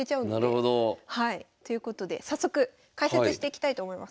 なるほど。ということで早速解説していきたいと思います。